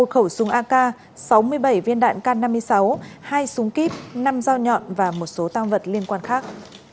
một khẩu súng ak sáu mươi bảy viên đạn k năm mươi sáu hai súng kíp năm dao nhọn và một số tăng vật liên quan khác